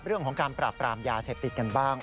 เรื่องของการปราบปรามยาเสพติดกันบ้าง